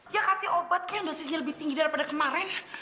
ya kasih obat yang dosisnya lebih tinggi daripada kemarin